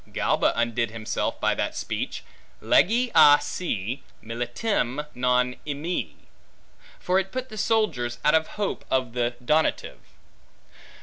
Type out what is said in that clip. Galba undid himself by that speech, legi a se militem, non emi; for it put the soldiers out of hope of the donative.